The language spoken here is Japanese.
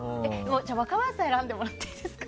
若林さん選んでもらっていいですか。